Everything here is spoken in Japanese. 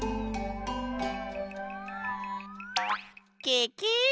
ケケ！